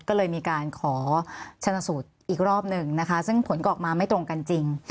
ก็เลยมีการขอชนสูตรอีกรอบหนึ่งนะคะซึ่งผลก็ออกมาไม่ตรงกันจริง